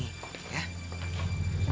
terima kasih kak